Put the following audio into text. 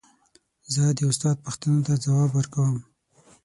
زه د استاد پوښتنو ته ځواب ورکوم.